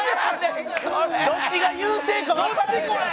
どっちが優勢かわからんって。